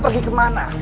dia pergi kemana